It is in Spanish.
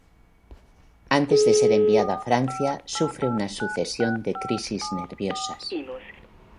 Antes de ser enviado a Francia sufre una sucesión de crisis nerviosas.